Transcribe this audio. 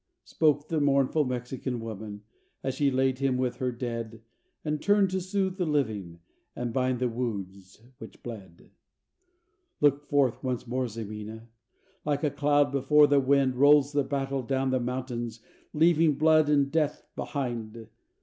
Spoke the mournful Mexic woman, as she laid him with her dead, And turn'd to soothe the living, and bind the wounds which bled. Look forth once more Ximena! like a cloud before the wind Rolls the battle down the mountains leaving blood and death behind.